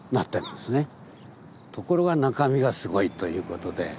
ところが中身がすごいということで。